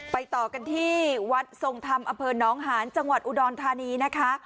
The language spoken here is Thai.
ต่อกันที่วัดทรงธรรมอำเภอน้องหานจังหวัดอุดรธานีนะคะ